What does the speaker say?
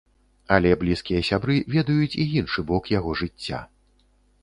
Але блізкія сябры ведаюць і іншы бок яго жыцця.